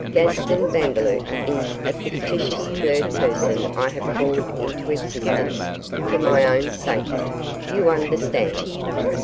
'Gaston Vandeloup is a fictitious third person I have called into existence for my own safety you understand.